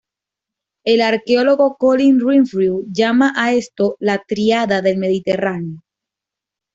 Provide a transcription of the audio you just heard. El arqueólogo Colin Renfrew llama a esto la "tríada del Mediterráneo".